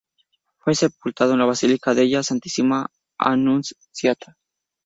Fue sepultado en la Basilica della Santissima Annunziata.